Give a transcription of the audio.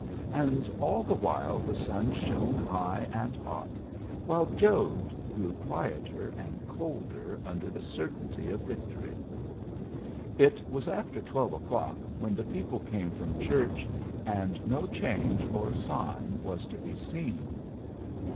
And all the while the sun shone high and hot, while Jode grew quieter and colder under the certainty of victory. It was after twelve o'clock when the people came from church, and no change or sign was to be seen.